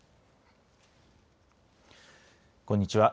こんにちは。